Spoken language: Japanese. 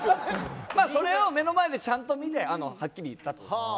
それを目の前でちゃんと見てはっきり言ったと。